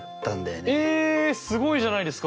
えすごいじゃないですか！